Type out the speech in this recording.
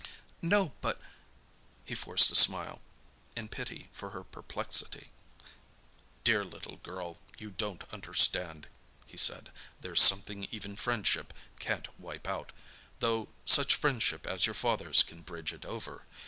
"No, but—" He forced a smile, in pity for her perplexity. "Dear little girl, you don't understand," he said. "There's something even friendship can't wipe out, though such friendship as your father's can bridge it over.